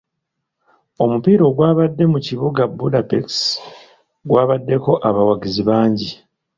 Omupiira ogwabadde mu kibuga Budapest gwabaddeko abawagizi bangi.